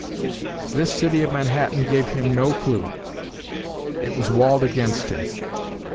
This city of Manhattan gave him no clue; it was walled against him.